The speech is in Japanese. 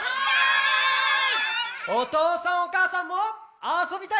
おとうさんおかあさんもあそびたい？